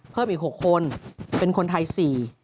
เพิ่มอีก๖คนเป็นคนไทย๔